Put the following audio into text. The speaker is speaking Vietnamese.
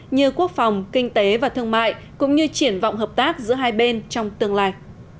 như quốc phòng kinh tế và thương mại cũng như triển vọng hợp tác giữa hai bên trong tương lai